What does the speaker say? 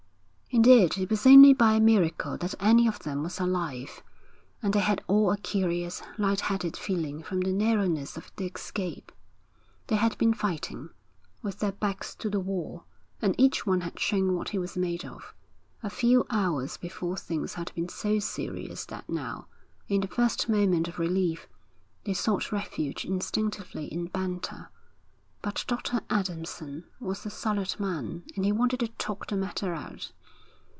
Indeed it was only by a miracle that any of them was alive, and they had all a curious, light headed feeling from the narrowness of the escape. They had been fighting, with their backs to the wall, and each one had shown what he was made of. A few hours before things had been so serious that now, in the first moment of relief, they sought refuge instinctively in banter. But Dr. Adamson was a solid man, and he wanted to talk the matter out.